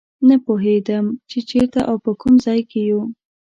نه پوهېدم چې چېرته او په کوم ځای کې یو.